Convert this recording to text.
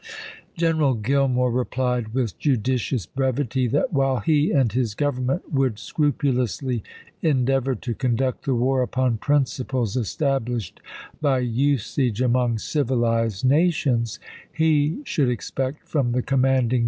General Gillmore replied, with judicious brevity, that while he and his Government would scrupulously endeavor to conduct the war upon principles established by usage among civilized nations, he should expect from the commanding t?